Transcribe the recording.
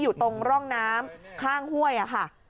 อยู่ตรงร่องน้ำข้างห้วยค่ะ